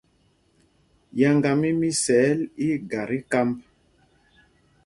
Yáŋgá mí Misɛɛl ɛ́ ɛ́ ga tí kámb.